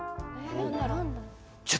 何だろう？